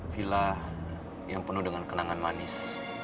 villa yang penuh dengan kenangan manis